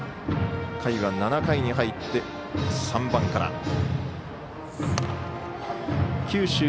回は７回に入って３番から。